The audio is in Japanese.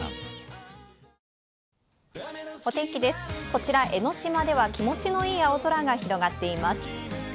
こちら、江の島では気持ちのいい青空が広がっています。